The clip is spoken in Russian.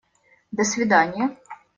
До свиданья!